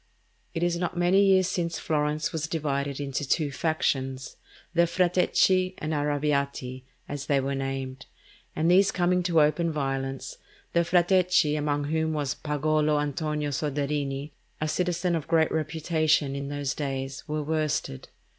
It is not many years since Florence was divided into two factions, the Frateschi and Arrabbiati, as they were named, and these coming to open violence, the Frateschi, among whom was Pagolo Antonio Soderini, a citizen of great reputation in these days, were worsted.